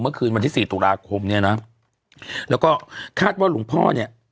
เมื่อคืนวันที่สี่ตุลาคมเนี่ยนะแล้วก็คาดว่าหลวงพ่อเนี่ย